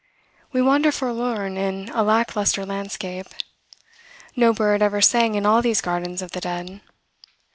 We wander forlorn in a lack lustre landscape. No bird ever sang in all these gardens of the dead.